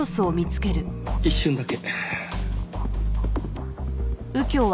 一瞬だけ。